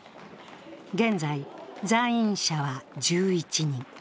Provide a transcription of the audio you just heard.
現在、在院者は１１人。